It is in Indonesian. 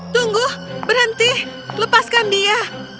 tunggu berhenti lepaskan dia